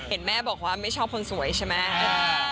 เห็นแม่บอกว่าไม่ชอบคนสวยใช่ไหม